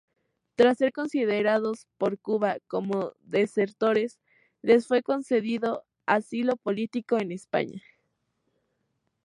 Tras ser considerados por Cuba como desertores, les fue concedido asilo político en España.